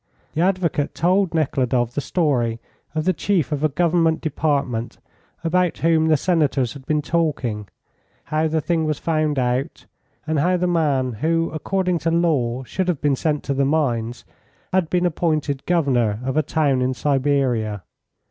The advocate told Nekhludoff the story of the chief of a Government department, about whom the Senators had been talking: how the thing was found out, and how the man, who according to law should have been sent to the mines, had been appointed Governor of a town in Siberia.